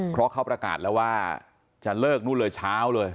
เพราะเขาประกาศแล้วว่าจะเลิกนู่นเลยเช้าเลย